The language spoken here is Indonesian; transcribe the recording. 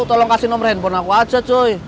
tolong kasih nomor handphone aku aja joy